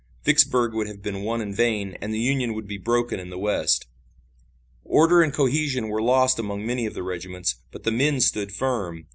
Vicksburg would have been won in vain and the Union would be broken in the West. Order and cohesion were lost among many of the regiments, but the men stood firm.